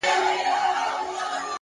پرمختګ له ثابت حرکت رامنځته کېږي!